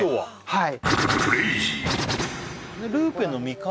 はい